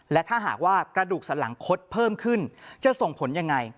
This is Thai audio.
และถ้าหากว่ากระดูกสันหลังคดเพิ่มขึ้นจะส่งผลยังไง